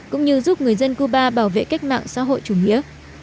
cũng như giúp người dân cuba bảo vệ cách mạng xã hội chủ nghĩa